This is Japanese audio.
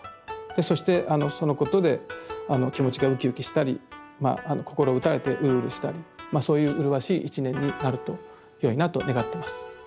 そしてそのことで気持ちがうきうきしたりまあ心を打たれてうるうるしたりまあそういううるわしい一年になるとよいなと願ってます。